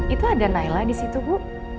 itu ada naila di situ bu